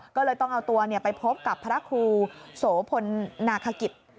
ก็เลยต้องเอาตัวไปพบกับพระครูโสพลนาคกิจ